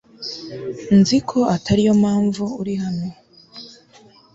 nzi ko atariyo mpamvu uri hano